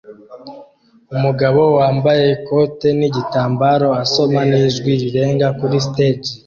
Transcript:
umugabo wambaye ikote nigitambara asoma n'ijwi rirenga kuri stage